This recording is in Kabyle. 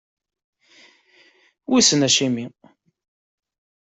Wissen acimi.